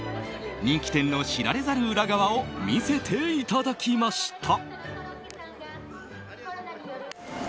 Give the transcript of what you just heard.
人気店の知られざる裏側を見せていただきました。